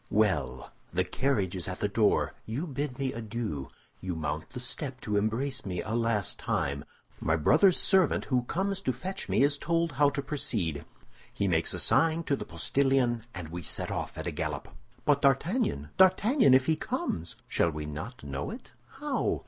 "Well! The carriage is at the door; you bid me adieu; you mount the step to embrace me a last time; my brother's servant, who comes to fetch me, is told how to proceed; he makes a sign to the postillion, and we set off at a gallop." "But D'Artagnan! D'Artagnan! if he comes?" "Shall we not know it?" "How?"